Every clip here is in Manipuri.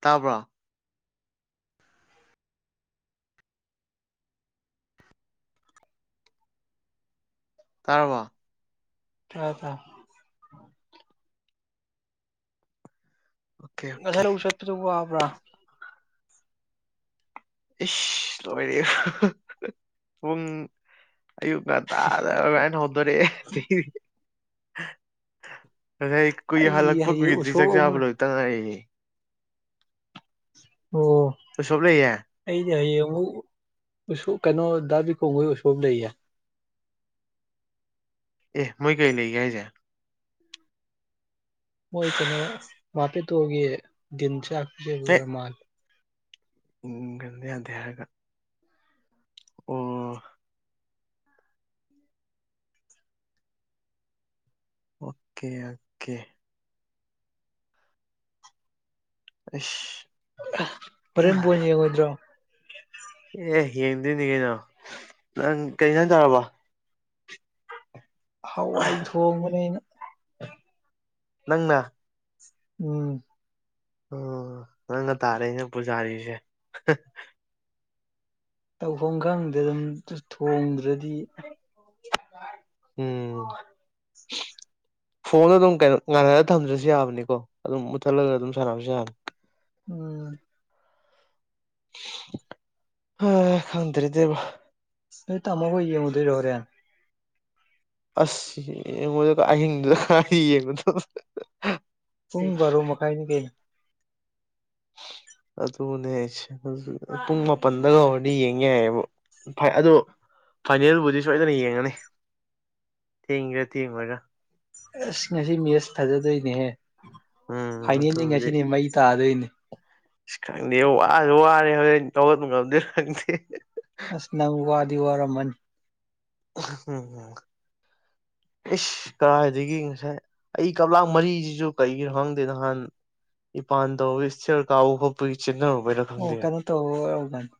ꯇꯥꯕ꯭ꯔꯣ꯫ ꯇꯥꯔꯕꯣ꯫ ꯇꯥꯔꯦ ꯇꯥ꯫ ꯑꯣꯀꯦ ꯑꯣꯀꯦ ꯉꯁꯥꯏ ꯂꯕꯨꯛ ꯆꯠꯄꯗꯣ ꯋꯥꯕ꯭ꯔ꯫ ꯏꯁ ꯂꯣꯏꯔꯦ ꯄꯨꯡ ꯑꯌꯨꯛ ꯉꯟ ꯇꯥꯅ [unintelligible] ꯍꯧꯗꯣꯔꯛꯑꯦ꯫ ꯉꯁꯥꯏ ꯀꯨꯏ ꯑꯩ ꯍꯜꯂꯛꯄ ꯍꯌꯦꯡ ꯀꯨꯏꯗ꯭ꯔꯤ ꯎꯁꯣꯞ ꯆꯥꯛ ꯆꯥꯕ ꯑꯃꯨꯛ ꯂꯣꯏꯕꯇ ꯉꯥꯏꯔꯤ꯫ ꯑꯣ꯫ ꯎꯁꯣꯞ ꯂꯩꯌꯦ꯫ ꯑꯩꯗꯤ ꯍꯌꯦꯡ ꯑꯃꯨꯛ ꯎꯁꯣ ꯀꯩꯅꯣ ꯗꯥ ꯕꯤꯀꯝ ꯍꯣꯏ ꯎꯁꯣꯞ ꯂꯩꯌꯦ꯫ ꯑꯦ ꯃꯣꯏ ꯀꯩ ꯂꯩꯒꯦ ꯍꯥꯏꯁꯦ? ꯃꯣꯏ ꯀꯩꯅꯣ ꯃꯥꯄꯦꯠꯇꯣꯒꯤ ꯗꯤꯟ ꯆꯥꯛ ꯄꯤꯖꯕ ꯑꯦ ꯑꯣꯏꯔ ꯃꯥꯜꯂꯦ꯫ [unintelligible] ꯌꯥꯗꯦ ꯍꯥꯏꯔꯒ ꯑꯣ ꯑꯣꯀꯦ ꯑꯣꯀꯦ ꯑꯩꯁ ꯍꯣꯔꯦꯟ ꯕꯣꯟ ꯌꯦꯡꯉꯣꯏꯗ꯭ꯔꯣ? ꯑꯦ ꯌꯦꯡꯗꯣꯏꯅꯤ ꯀꯩꯅꯣ ꯅꯪ ꯀꯩꯖꯥꯡ ꯆꯥꯔꯕꯥ? [inaudible] ꯍꯋꯥꯏ ꯊꯣꯡꯕꯅꯦ ꯑꯩꯅ ꯅꯪꯅ? ꯎꯝ꯫ ꯑꯣ ꯅꯪꯅ ꯇꯥꯔꯦꯅꯦ ꯄꯨꯖꯥꯔꯤꯁꯦ ꯍ ꯇꯧꯐꯝ ꯈꯪꯗꯦ ꯑꯗꯨꯝ ꯊꯣꯡꯗ꯭ꯔꯗꯤ ꯎꯝ꯫ ꯐꯣꯟꯗꯣ ꯑꯗꯨꯝ ꯀꯩꯅꯣ ꯉꯥꯜꯍꯥꯟꯂꯒ ꯊꯥꯝꯗ꯭ꯔꯁꯨ ꯌꯥꯕꯅꯤꯀꯣ ꯑꯗꯨꯝ ꯃꯨꯊꯥꯠꯂꯒ ꯑꯗꯨꯝ ꯁꯥꯟꯅꯕꯁꯨ ꯌꯥꯕꯅꯤ꯫ ꯑꯝ ꯍꯥ ꯈꯪꯗ꯭ꯔꯦꯗ ꯏꯕꯣ ꯅꯣꯏ ꯇꯃꯣꯍꯣꯏ ꯌꯦꯡꯉꯨꯗꯣꯏꯔꯣ ꯍꯣꯔꯦꯟ? ꯑꯁ ꯌꯦꯡꯉꯣꯏꯗ ꯑꯍꯤꯡꯗꯨꯗ ꯀꯥꯏ ꯌꯦꯡꯕꯅꯣ ꯄꯨꯡ ꯕꯔꯣ ꯃꯈꯥꯏꯅꯤ ꯀꯩꯅꯣ꯫ ꯑꯗꯨꯅꯦꯁꯦ ꯑꯗꯨ ꯄꯨꯡ ꯃꯥꯄꯟꯗꯒ ꯍꯧꯔꯗꯤ ꯌꯦꯡꯌꯥꯏꯕꯨ ꯐꯏ ꯑꯗꯨ ꯐꯥꯏꯅꯦꯜꯕꯨꯗꯤ ꯁꯣꯏꯗꯅ ꯌꯦꯡꯉꯅꯤ ꯊꯦꯡꯒꯦꯔꯥ ꯊꯦꯡꯉꯣꯏꯔꯥ? ꯑꯁ ꯉꯁꯤ ꯃꯦꯠꯁ ꯐꯖꯗꯣꯏꯅꯦꯍꯦ ꯎꯝ ꯐꯥꯏꯅꯦꯜꯗꯒꯤ ꯑꯗꯨꯕꯨꯗꯤ ꯉꯁꯤꯅ ꯍꯦꯟ ꯃꯩ ꯇꯥꯗꯣꯏꯅꯦ꯫ ꯑꯁ ꯈꯪꯗꯦ ꯋꯥꯁꯨ ꯋꯥꯔꯦ ꯍꯣꯔꯦꯟ ꯍꯧꯒꯥꯠꯄ ꯉꯝꯗꯣꯏꯔ ꯈꯪꯗꯦ꯫ ꯑꯁ ꯅꯪ ꯋꯥꯗꯤ ꯋꯥꯔꯝꯃꯅꯤ꯫ ꯍꯨꯡꯍꯨꯡ ꯏꯁ ꯀꯔꯥꯏꯗꯒꯤ ꯉꯁꯥꯏ ꯑꯩ ꯀꯥꯞꯂꯛ ꯃꯔꯤꯁꯤꯁꯨ ꯀꯩꯒꯤꯅꯣ ꯈꯪꯗꯦ ꯅꯍꯥꯟ ꯏꯄꯥꯟ ꯇꯧꯕꯒꯤ ꯏꯁꯇꯤꯌꯥꯔ ꯀꯥꯕ ꯈꯣꯠꯄꯒꯤ ꯆꯦꯟꯗꯔꯨꯕꯏꯔꯥ? ꯑꯣ ꯀꯩꯅꯣꯇꯧꯕ ꯑꯣꯏꯔꯝꯒꯅꯤ꯫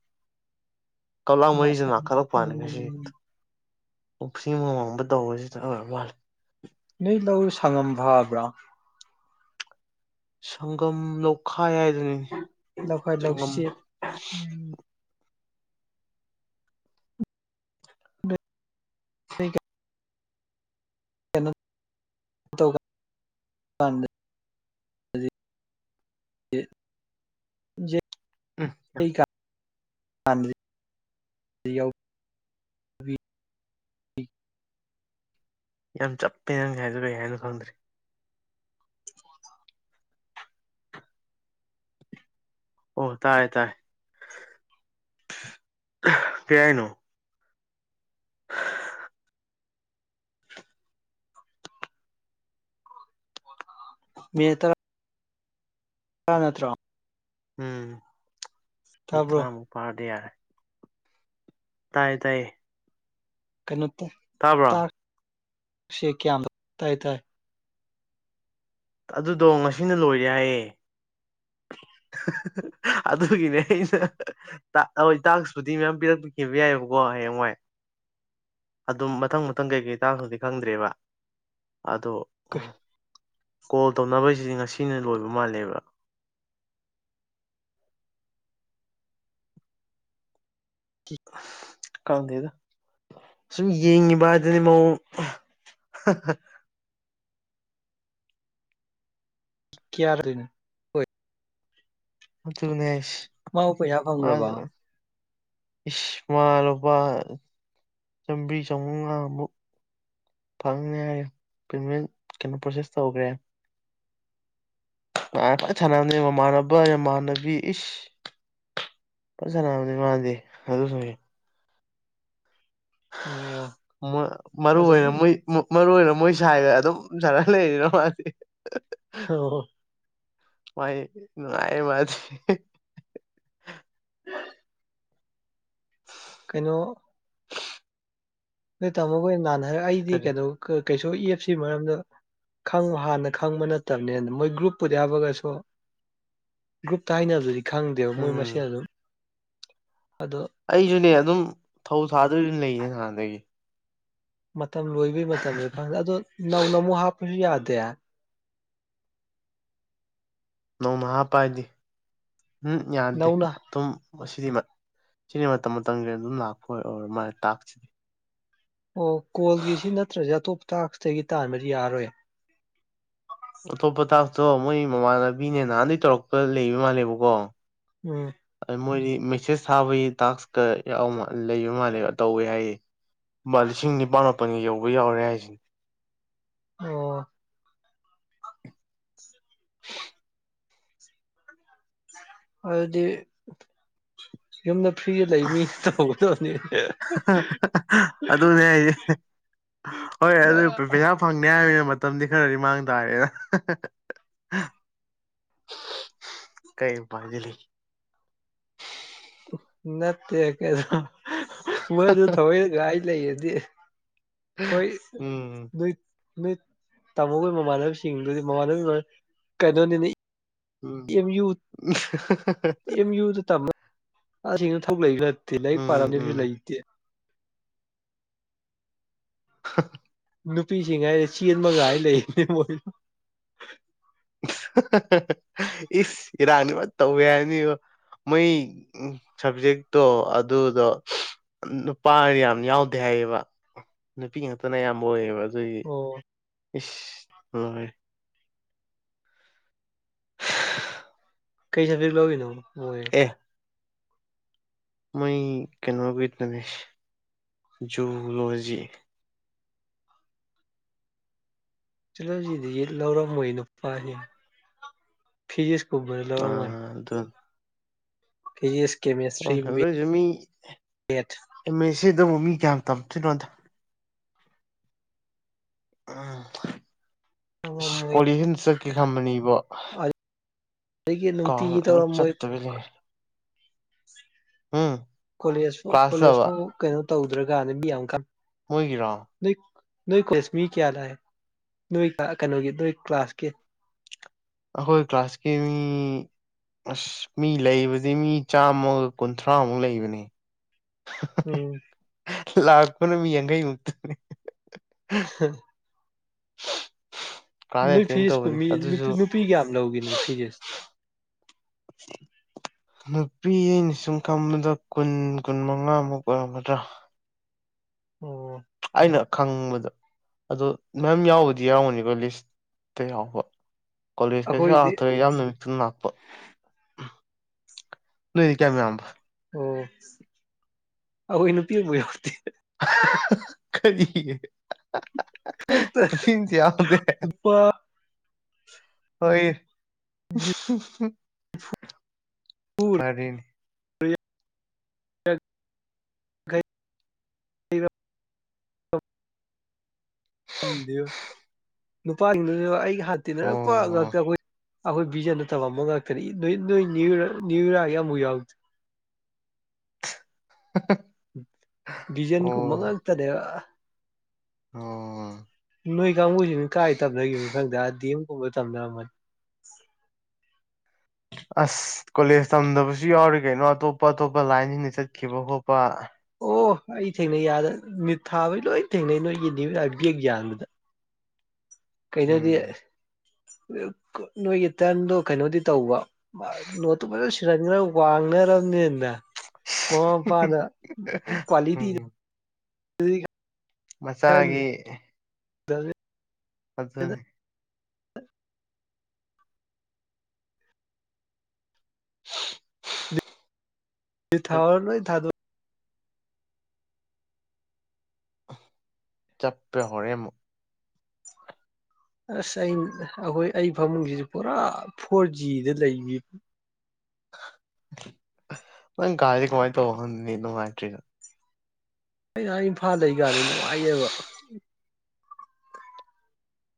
ꯀꯥꯞꯂꯥꯛ ꯃꯔꯤꯁꯦ ꯃꯁꯟ ꯅꯈꯥꯠꯂꯛꯄ ꯋꯥꯅꯤ ꯉꯥꯁꯤ꯫ ꯎꯝ [unintelligible] ꯅꯣꯏ ꯂꯧ ꯁꯪꯉꯝ ꯐꯥꯕ꯭ꯔꯥ? ꯁꯪꯒꯝ ꯂꯧꯈꯥꯏ ꯍꯥꯏꯗꯨꯅꯤꯅꯦ꯫ ꯂꯧꯈꯥꯏ ꯁꯪꯒꯝ ꯂꯧꯁꯤꯠ ꯅꯣꯏ [unintelligible] ꯌꯩ ꯎꯝ ꯌꯥꯝ [inaudible] ꯌꯥꯎꯕꯤ ꯌꯥꯝ ꯆꯥꯞꯄꯦ ꯫ ꯅꯪ ꯁꯥꯏꯍꯥꯏꯗꯣ ꯀꯩ ꯍꯥꯏꯅꯣ ꯈꯪꯗ꯭ꯔꯦ ꯫ ꯑꯣ ꯇꯥꯏ ꯇꯥꯏ ꯀꯩ ꯍꯥꯏꯅꯣ? ꯃꯦꯇꯥꯔ [unintelligible] [unintelligible] ꯅꯠꯇ꯭ꯔꯣ ꯎꯝ ꯃꯤꯅꯤꯠ ꯇꯥꯕ꯭ꯔꯣ ꯇ꯭ꯔꯥꯃꯨꯛ ꯐꯥꯔꯗꯤ ꯌꯥꯔꯦ꯫ ꯇꯥꯏꯌꯦ ꯇꯥꯏꯌꯦ꯫ ꯀꯩꯅꯝꯇ ꯇꯥꯕ꯭ꯔꯣ? ꯆꯦ ꯀꯤꯌꯥꯝ ꯇꯥꯏ ꯇꯥꯏ ꯑꯗꯨꯗꯣ ꯉꯁꯤꯅ ꯂꯣꯏꯔꯦ ꯍꯥꯏꯌꯦ ꯍꯥ ꯍꯥ ꯍꯥ ꯑꯗꯨꯒꯤꯅꯦ ꯑꯩꯅ ꯇ ꯍꯣꯏ ꯇꯥꯛꯁꯄꯨꯗꯤ ꯃꯌꯥꯝ ꯄꯤꯔꯥꯛꯈꯤꯕ ꯌꯥꯏꯌꯦꯕꯀꯣ ꯍꯥꯌꯦꯡꯋꯥꯏ ꯑꯗꯨꯝ ꯃꯊꯪ ꯃꯊꯪ ꯀꯩꯀꯩ ꯇꯥꯁꯅꯣꯗꯤ ꯈꯪꯗ꯭ꯔꯦꯕ ꯑꯗꯣ ꯀꯩ ꯀꯣꯜ ꯇꯧꯅꯕꯩꯁꯤꯗꯤ ꯉꯁꯤꯅ ꯂꯣꯏꯕ ꯃꯥꯜꯂꯦꯕ ꯍꯨꯝ ꯈꯪꯗꯦꯗꯥ ꯁꯨꯝ ꯌꯦꯡꯉꯤꯕꯗꯨꯅꯤ ꯃꯑꯣꯡ ꯍꯥꯍꯥ ꯀꯤꯌꯥꯗ꯭ꯔꯦꯅꯦ ꯑꯗꯨꯅꯦꯍꯥꯏꯁ ꯃꯥꯕꯨ ꯄꯩꯁꯥ ꯐꯪꯈ꯭ꯔꯕ ꯃꯖꯨ ꯏꯁ ꯃꯥ ꯂꯨꯄꯥ ꯆꯥꯝꯔꯤ ꯆꯥꯃꯉꯥꯃꯨꯛ ꯐꯪꯅꯦꯍꯥꯏ ꯄꯦꯃꯦꯟ ꯀꯩꯅꯣ ꯄ꯭ꯔꯣꯁꯦꯁ ꯇꯧꯈ꯭ꯔꯦꯝ ꯐꯖ ꯁꯥꯟꯅꯕꯅꯦ ꯃꯃꯥꯟꯅꯕ ꯃꯃꯥꯟꯅꯕꯤ ꯏꯁ ꯐꯥꯟ ꯁꯥꯟꯅꯕꯅꯦ ꯃꯥꯗꯤ ꯑꯗꯨꯅꯅꯤ ꯑꯣ ꯃꯥ ꯃꯔꯨ ꯑꯗꯨꯝ ꯑꯣꯏꯅ ꯑꯣ ꯃꯣꯏ ꯃꯨ ꯃꯔꯨ ꯑꯣꯏꯅ ꯃꯣꯏ ꯁꯥꯏꯒ ꯑꯗꯨꯝ ꯁꯥꯟꯅ ꯂꯩꯔꯦꯗ ꯃꯥꯗꯤ ꯍꯜꯂꯣ ꯃꯥꯏ ꯅꯨꯡꯉꯥꯏꯌꯦ ꯃꯥꯗꯤ [unintelligible] ꯀꯩꯅꯣ ꯅꯣꯏ ꯇꯥꯃꯣ ꯍꯣꯏ ꯅꯍꯥꯟ ꯍꯥꯏꯔ ꯑꯩꯗꯤ ꯀꯔꯤ ꯀꯩꯅꯣ ꯀꯩꯁꯨ ꯏꯑꯦꯞꯁꯤ ꯃꯔꯝꯗ ꯈꯪ ꯍꯥꯟꯅ ꯈꯪꯕ ꯅꯠꯇꯕꯅꯤꯅ ꯃꯣꯏ ꯒ꯭ꯔꯨꯞꯄꯨꯗ ꯍꯥꯞꯄꯒꯁꯨ ꯒ꯭ꯔꯨꯞꯇ ꯍꯥꯏꯅꯕꯗꯨꯗꯤ ꯈꯪꯗꯦꯕ ꯃꯣꯏ ꯎꯝ ꯃꯁꯦꯟ ꯑꯗꯨꯝ ꯑꯗꯣ ꯑꯩꯖꯨꯅꯦ ꯑꯗꯨꯝ ꯊꯧ ꯁꯥꯗꯕꯤ ꯑꯗꯨꯝ ꯂꯩꯅꯦ ꯅꯍꯥꯟꯗꯒꯤ ꯃꯇꯝ ꯂꯣꯏꯕꯒꯤ ꯃꯇꯝꯖꯨ ꯈꯪꯗꯦ ꯑꯗꯣ ꯅꯧꯅ ꯑꯃꯨꯛ ꯍꯥꯞꯄꯖꯨ ꯌꯥꯗꯦ ꯅꯣꯡꯃ ꯍꯄꯥ ꯍꯥꯏꯗꯤ ꯎꯝ ꯌꯥꯗꯦ ꯅꯧꯅ ꯑꯗꯨꯝ ꯃꯁꯤꯗꯤ ꯃ ꯁꯤꯗꯤ ꯃꯇꯝ ꯃꯇꯝꯒꯤ ꯑꯗꯨꯝ ꯂꯥꯛꯄ ꯑꯣꯏ ꯑꯣꯏꯔ ꯃꯥꯥꯜꯂꯦ ꯇꯥꯛꯁꯤꯗꯤ ꯑꯣ ꯀꯣꯜꯒꯤ ꯁꯤ ꯅꯠꯇ꯭ꯔꯗꯤ ꯑꯇꯣꯞꯄ ꯇꯥꯛꯁꯗꯒꯤ ꯇꯥꯟꯕꯗꯤ ꯌꯥꯔꯔꯣꯏ ꯑꯇꯣꯞꯄ ꯇꯥꯛꯁꯇꯣ ꯃꯣꯏ ꯃꯃꯥꯟꯅꯕꯤꯅꯦ ꯅꯍꯥꯟꯗꯒꯤ ꯇꯧꯔꯛꯄ ꯂꯩꯕ ꯃꯥꯜꯂꯦꯕꯀꯣ ꯎꯝ ꯑꯃꯣꯏꯗꯤ ꯃꯦꯁꯦꯁ ꯊꯥꯕꯒꯤ ꯇꯥꯛꯁ ꯀ ꯌꯥꯎꯕꯃꯥꯟ ꯂꯩꯕ ꯃꯥꯜꯂꯦꯕ ꯇꯧꯋꯦ ꯍꯥꯏꯌꯦ ꯃꯥ ꯂꯤꯁꯤꯡ ꯅꯤꯄꯥꯜ ꯃꯥꯄꯜꯒꯤ ꯌꯧꯕ ꯌꯥꯎꯔꯦ ꯍꯥꯏꯖꯤꯅꯤ ꯑꯣ ꯑꯗꯨꯗꯤ ꯌꯨꯝꯗ ꯐ꯭ꯔꯤꯗ ꯂꯩꯕ ꯃꯤ ꯇꯧꯒꯗꯕꯅꯤ [unintelligible] ꯑꯗꯨꯅꯦ ꯍꯥꯏꯁꯦ ꯍꯣꯏ ꯑꯗꯨ ꯄꯩ ꯄꯩꯁꯥ ꯐꯪꯅꯤ ꯍꯥꯏꯕꯅꯤꯅ ꯃꯇꯝꯗꯤ ꯈꯔꯗꯤ ꯃꯥꯡ ꯇꯥꯔꯦꯅ [unintelligible] ꯀꯩ ꯎꯄꯥꯏꯗꯤ ꯂꯩ ꯅꯠꯇꯦ ꯀꯩꯅꯣ [unintelligible] ꯃꯣꯏꯁꯨ ꯊꯧꯋꯣꯏꯅ ꯉꯥꯏ ꯂꯩꯔꯗꯤ ꯄꯩꯁꯥ ꯎꯝ ꯅꯣꯏ ꯅꯣꯏ ꯇꯥꯃꯣꯒꯤ ꯃꯃꯥꯟꯅꯕꯤꯁꯤꯡꯗꯨꯗꯤ ꯃꯃꯥꯟꯅꯕꯤ ꯂꯣꯏ ꯀꯩꯅꯣꯅꯤꯅꯦ ꯎꯝ ꯑꯦꯝ ꯌꯨ ꯑꯦꯝ ꯌꯨꯗ ꯇꯝꯕ ꯑꯥꯁꯤꯅ ꯊꯕꯛ ꯂꯩꯕꯖꯨ ꯅꯠꯇꯦ ꯂꯥꯏꯔꯤꯛ ꯎꯝ ꯄꯥꯔꯝꯅꯦꯁꯨ ꯎꯝ ꯂꯩꯇꯦ [unintelligible] ꯅꯨꯄꯤꯁꯤꯡ ꯍꯥꯏꯔꯦ ꯆꯦꯟꯕ ꯉꯥꯏ ꯂꯩꯕꯅꯦ ꯃꯣꯏ ꯏꯁ ꯏꯔꯥꯡꯗꯤ ꯐꯖꯅ ꯇꯧꯋꯦ ꯍꯥꯏꯕꯅꯤꯕꯣ ꯃꯣꯏ ꯁꯕꯖꯦꯛꯇꯣ ꯑꯗꯨꯗꯣ ꯅꯨꯄꯥ ꯌꯥꯝ ꯌꯥꯎꯗꯦ ꯍꯥꯏꯌꯦꯕ ꯅꯨꯄꯤ ꯉꯥꯛꯇꯅ ꯑꯌꯥꯝꯕ ꯑꯣꯏꯌꯦꯕ ꯑꯗꯨꯒꯤ ꯑꯣ ꯏꯁ ꯍꯣꯏ ꯀꯩ ꯁꯕꯖꯦꯛ ꯂꯧꯋꯤꯅꯣ ꯃꯣꯏ ꯑꯦ ꯃꯣꯏ ꯀꯩꯅꯣꯒꯤꯗꯨꯅꯦ ꯖꯨꯂꯣꯖꯤ ꯖꯨꯂꯣꯖꯤꯗꯤ ꯂꯧꯔꯝꯃꯣꯏ ꯅꯨꯄꯥꯅꯤ ꯐꯤꯖꯤꯛꯁ ꯀꯨꯝꯕ ꯂꯧꯔꯝꯒꯅꯤ [unintelligible] ꯐꯤꯖꯤꯛꯁ ꯀꯦꯃꯦꯁꯇ꯭ꯔꯤ ꯃꯦ ꯑꯗꯨꯏꯁꯨ ꯃꯤ ꯃꯦꯠ ꯑꯦꯝ ꯃꯦ ꯁꯤꯗꯕꯨ ꯃꯤ ꯀꯌꯥꯝ ꯇꯝꯃꯛ ꯇꯨꯏꯅꯣꯗ ꯎꯝ ꯁꯤ ꯇꯧꯔꯝꯃꯣꯏ ꯀꯣꯂꯦꯖ ꯁꯦ ꯑꯝ ꯆꯠꯀꯦ ꯈꯟꯕꯅꯤ ꯏꯕꯣ ꯑꯗꯨꯗꯒꯤ ꯅꯨꯡꯇꯤꯒꯤ ꯀꯥꯎꯗꯅ ꯇꯧꯔꯝꯃꯣꯏ ꯆꯠꯇꯕꯤ ꯂꯩꯔꯦ ꯎꯝ ꯀꯣꯂꯦꯖ ꯐꯨ ꯀꯣꯂꯦꯖ ꯀ꯭ꯂꯥꯁꯇꯕ ꯐꯥꯎ ꯀꯩꯅꯣ ꯇꯧꯗ꯭ꯔꯒꯥꯅ ꯃꯤꯌꯥꯝ ꯀꯥ ꯃꯣꯏꯒꯤꯔꯣ ꯅꯣꯏ ꯅꯣꯏ ꯀꯣꯂꯦꯖ ꯃꯤ ꯀꯌꯥ ꯂꯥꯛꯑꯦ ꯅꯣꯏ ꯑꯥ ꯀꯩꯅꯣꯒꯤ ꯅꯣꯏ ꯀ꯭ꯂꯥꯁꯀꯤ ꯑꯩꯈꯣꯏ ꯀ꯭ꯂꯥꯁꯀꯤ ꯃꯤ ꯑꯁ ꯃꯤ ꯂꯩꯕꯗꯤ ꯃꯤ ꯆꯥꯝꯃꯒ ꯀꯨꯟꯊ꯭ꯔꯥꯃꯨꯛ ꯂꯩꯕꯅꯦ [unintelligible] ꯎꯝ ꯂꯥꯛꯄꯅ ꯃꯤ ꯌꯥꯡꯈꯩꯃꯨꯛꯇꯅꯤ [unintelligible] [unintelligible] ꯅꯣꯏ ꯑꯦꯇꯦꯟ ꯐꯤꯁꯄꯨ ꯇꯧꯕꯗꯤ ꯃꯤ ꯅꯨ ꯑꯗꯨꯁꯨ ꯅꯨꯄꯤ ꯀꯌꯥꯝ ꯂꯧꯒꯦ ꯐꯤꯖꯦꯁ ꯅꯨꯄꯤ ꯑꯩꯅ ꯁꯨꯝ ꯈꯟꯕꯗ ꯀꯨꯟ ꯀꯨꯟ ꯃꯉꯥꯃꯨꯛ ꯑꯣꯏꯔꯝꯒꯗ꯭ꯔꯥ ꯑꯣ ꯑꯩꯅ ꯈꯪꯕꯗ ꯑꯗꯣ ꯃꯌꯥꯝ ꯌꯥꯎꯕꯨꯗꯤ ꯌꯥꯎꯔꯝꯒꯅꯤꯕ ꯂꯤꯁꯇ ꯌꯥꯎꯕ ꯀꯣꯂꯦꯖ ꯇꯥꯁꯨ ꯑꯩꯈꯣꯏꯗꯤ [unintelligible] ꯅꯣꯏꯗꯤ ꯀꯌꯥꯝ ꯌꯥꯝꯕ ꯑꯣ ꯑꯩꯈꯣꯏ ꯅꯨꯄꯤꯝꯕꯨꯛ ꯌꯥꯎꯗꯦ ꯀꯔꯤꯒꯤ ꯅꯨꯄꯥꯗꯤ ꯑꯃꯥꯇꯥ ꯌꯥꯎꯗꯦ ꯅꯨꯄꯥ ꯍꯣꯏ ꯅꯤꯐꯨ ꯐꯔꯦꯅꯦ [unintelligible] [unintelligible] ꯈꯪꯗꯦꯕꯨ ꯅꯨꯄꯥꯁꯤꯡꯗꯨꯁꯨ ꯑꯩꯒ ꯍꯥ ꯟꯅ ꯇꯤꯟꯅꯔꯛꯄ ꯑꯣ ꯉꯥꯛꯇ ꯑꯩꯈꯣꯏ ꯑꯩꯈꯣꯏ ꯕꯤꯖꯟꯗ ꯇꯝꯃꯝꯃꯒ ꯀꯔꯤ ꯅꯣꯏ ꯅꯣꯏ ꯅ꯭ꯌꯨ ꯅ꯭ꯌꯨ ꯏꯔꯥ ꯑꯃꯨꯛ ꯌꯥꯎꯗꯦ [unintelligible] ꯗꯤꯖꯟ ꯀꯨꯝꯕ ꯑꯣ ꯉꯥꯛꯇꯅꯦ ꯑꯥ ꯑꯣ ꯅꯣꯏ ꯀꯥꯡꯕꯨꯁꯤꯡ ꯀꯥꯏ ꯇꯝꯅꯒꯤꯕꯅꯣ ꯈꯪꯗꯦ ꯗꯤ ꯑꯦꯝꯒꯨꯝꯕ ꯇꯝꯅꯔꯝꯃꯅꯤ ꯑꯁ ꯀꯣꯂꯦꯖ ꯇꯝꯗꯕꯁꯨ ꯌꯥꯎꯔꯤ ꯀꯩꯅꯣ ꯑꯇꯣꯞꯄ ꯑꯇꯣꯞꯄ ꯂꯥꯏꯟꯁꯤꯡꯗ ꯆꯠꯈꯤꯕ ꯈꯣꯠꯄ ꯑꯣ ꯑꯩ ꯊꯦꯡꯅꯩ ꯑꯥꯗ ꯅꯤꯠ ꯊꯥꯕꯩ ꯂꯣꯏ ꯊꯦꯡꯅꯩ ꯅꯣꯏꯒꯤ ꯅ꯭ꯌꯨꯌꯔ ꯕꯦꯛ ꯌꯥꯟꯕꯗ ꯀꯩꯅꯣꯗꯤ ꯎꯝ ꯅꯣꯏꯒꯤ ꯇꯔꯟꯗꯣ ꯀꯩꯅꯣꯗꯤ ꯇꯧꯕ ꯅꯣꯠꯇꯣ ꯐꯖꯅ ꯁꯤꯟꯂꯝꯅꯤꯅ ꯋꯥꯡꯅꯔꯝꯅꯤꯅ ꯃꯃꯥ ꯃꯄꯥꯅ ꯀ꯭ꯋꯥꯂꯤꯇꯤ ꯎꯝ [unintelligible] ꯃꯆꯥꯒꯤ [unintelligible] ꯗꯥꯛꯇꯔꯅꯦ [unintelligible] ꯅꯤꯠ ꯊꯥꯑꯣ ꯂꯣꯏ ꯊꯥꯗꯣꯛ ꯆꯞꯄ꯭ꯔꯥ ꯍꯣꯔꯦꯟ ꯑꯃꯨꯛ ꯑꯁ ꯑꯩ ꯑꯩꯈꯣꯏ ꯑꯩ ꯐꯃꯨꯡꯖꯤꯖꯨ ꯄꯨꯔꯥ ꯐꯣꯔ ꯖꯤꯗ ꯂꯩꯅꯤ ꯅꯪ ꯀꯥꯖꯦ ꯀꯃꯥꯏ ꯇꯧꯕꯅꯣ ꯈꯪꯗꯦ ꯅꯦꯠ ꯅꯨꯡꯉꯥꯏꯇ꯭ꯔꯦ ꯑꯩ ꯑꯥ ꯏꯝꯐꯥꯜꯗ [unintelligible] ꯅꯨꯡꯉꯥꯏꯅꯦꯕ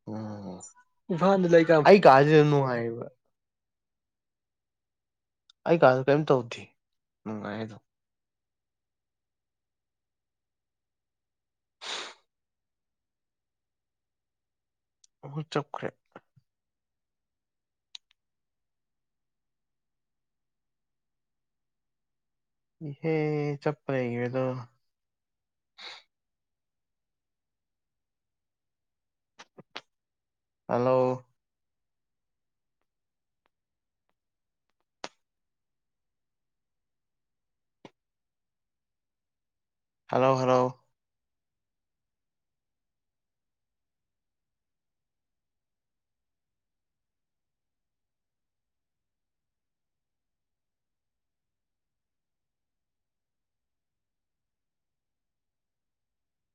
ꯑꯣ ꯏꯝꯐꯥꯜꯗ [unintelligible] ꯑꯩ ꯀꯥꯖꯤꯅ ꯅꯨꯡꯉꯥꯏꯔꯤꯕ ꯑꯩ ꯀꯥꯖꯦ ꯀꯔꯤꯝ ꯇꯧꯗꯦ ꯅꯨꯡꯉꯥꯏꯌꯦ ꯑꯗꯨꯝ ꯎ ꯍꯨꯡ ꯆꯞꯈ꯭ꯔꯦ ꯏꯍꯦ ꯆꯞꯄꯥ ꯂꯩꯒ꯭ꯔꯦꯗꯣ ꯍꯜꯂꯣ ꯍꯜꯂꯣ ꯍꯜꯂꯣ